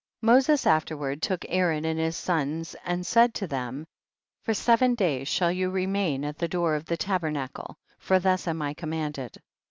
2. Moses afterward took Aaron and his sons and said to them, for seven days shall you remain at the door of the tabernacle, for thus am I commanded.